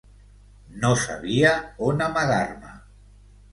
No sabia on amagar-me!